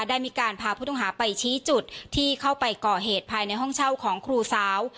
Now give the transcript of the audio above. ได้มีการพาผู้ต้องหาไปชี้จุดที่เข้าไปก่อเหตุภายในห้องเช่าของครูสาว